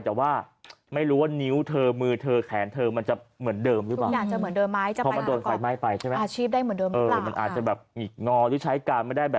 แต่ว่าไม่รู้ว่านิ้วเธอมือเธอแขนเธอมันจะเหมือนเดิมหรือเปล่า